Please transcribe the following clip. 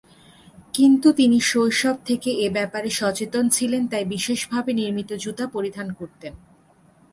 কিন্তু তিনি শৈশব থেকে এ ব্যাপারে সচেতন ছিলেন তাই বিশেষভাবে নির্মিত জুতা পরিধান করতেন।